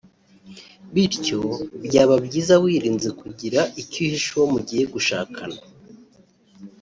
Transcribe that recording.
Bityo byaba byiza wirinze kugira icyo uhisha uwo mugiye gushakana